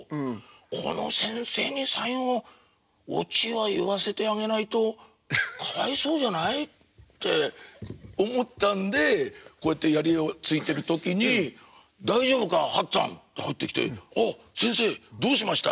この先生に最後オチは言わせてあげないとかわいそうじゃない？って思ったんでこうやってやりを突いてる時に「大丈夫か八っつぁん」って入ってきて「ああ先生どうしました？」。